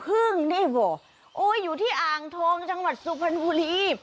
พึ่งนี่บอกโอ๊ยอยู่ที่อ่างทองจังหวัดสุพรรณบุรี